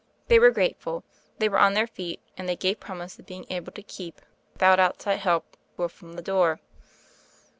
They were grateful, they were on their feet, and they gave promise of being able to keep, without outside help, the wolf from the door.